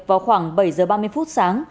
vào khoảng bảy h ba mươi phút sáng